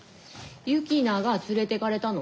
ユキナが連れてかれたの？